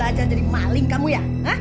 aja jadi maling kamu ya